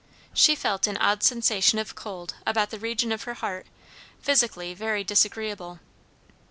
She felt an odd sensation of cold about the region of her heart, physically very disagreeable.